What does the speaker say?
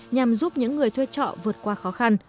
nhằm giúp những người thuê trọ vượt qua khó khăn